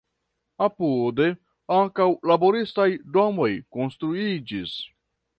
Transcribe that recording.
Apude ankaŭ laboristaj domoj konstruiĝis.